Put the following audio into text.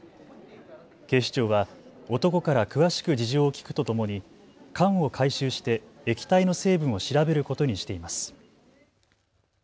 警視庁は男から詳しく事情を聴くとともに缶を回収して液体の成分を調べることにしています。